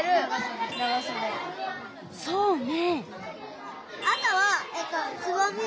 そうね。